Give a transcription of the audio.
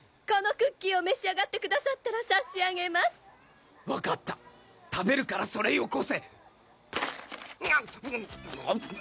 このクッキーを召し上がってくださったら差し上げます分かった食べるからそれよこせんがっん